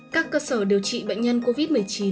các cơ sở điều trị bệnh nhân covid một mươi chín